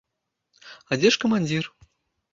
А дзе ж камандзір?